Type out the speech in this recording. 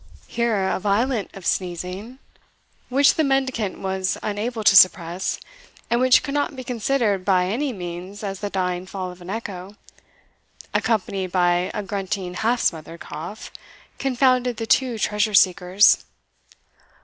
Here a violent of sneezing, which the mendicant was unable to suppress, and which could not be considered by any means as the dying fall of an echo, accompanied by a grunting half smothered cough, confounded the two treasure seekers.